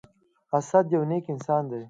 اسد يو نیک انسان دی.